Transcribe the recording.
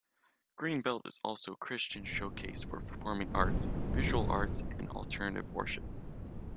Greenbelt is also a Christian showcase for performing arts, visual arts and alternative worship.